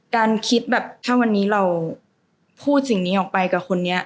การคิดแบบถ้าวันนี้เราพูดสิ่งนี้ออกไปกับคนนี้